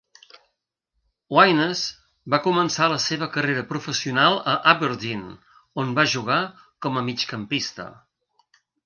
Wyness va començar la seva carrera professional a Aberdeen, on va jugar com a migcampista.